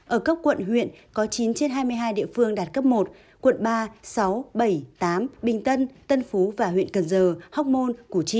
ở các quận huyện có chín trên hai mươi hai địa phương đạt cấp một quận ba sáu bảy tám bình tân tân phú và huyện cần giờ học môn củ chi